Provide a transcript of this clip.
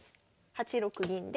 ８六銀で。